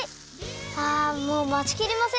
あもうまちきれません。